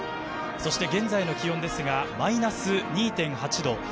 そして現在の気温ですがマイナス２．８度。